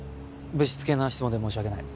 ぶしつけな質問で申し訳ない。